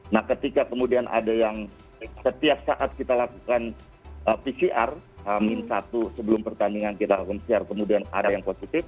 nah ketika kemudian ada yang setiap saat kita lakukan pcr hamin satu sebelum pertandingan kita lakukan share kemudian ada yang positif